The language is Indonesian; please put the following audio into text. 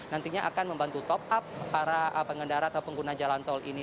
nantinya akan membantu top up para pengendara atau pengguna jalan tol ini